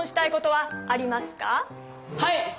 はい。